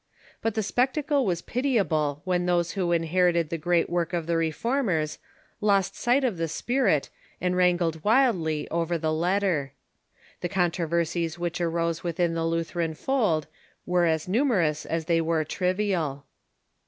But the spectacle was pitiable when those who inherited the great work of the Reformers lost sight of the spirit, and wrangled wildly over the letter. The controversies Avhich arose within the Lutheran fold were as numerous as they were trivial.